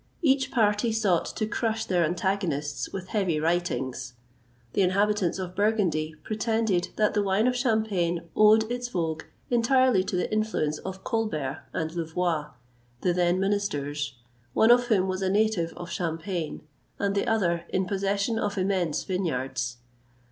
Each party sought to crush their antagonists with heavy writings. The inhabitants of Burgundy pretended that the wine of Champagne owed its vogue entirely to the influence of Colbert and Louvois, the then ministers, one of whom was a native of Champagne, and the other in possession of immense vineyards.